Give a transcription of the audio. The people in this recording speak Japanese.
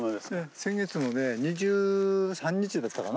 先月のね２３日だったかな。